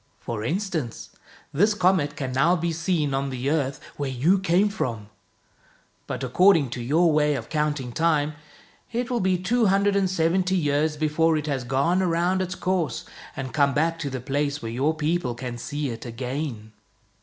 For instance, this comet can now be seen on the earth where you came from. But according to your way of counting time, it will be two hundred and seventy years before it has gone around its course and come back to the place where your people can see it again."